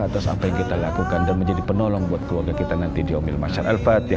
atas apa yang kita lakukan dan menjadi penolong buat keluarga kita nanti diomil masyarakat ya